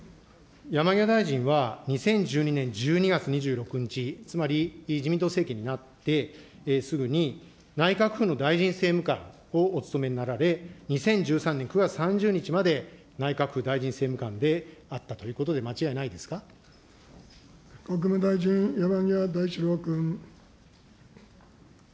山際大臣は、２０１２年１２月２６日、つまり自民党政権になってすぐに内閣府の大臣政務官をお務めになられ、２０１３年９月３０日まで内閣府大臣政務官であったという国務大臣、山際大志郎君。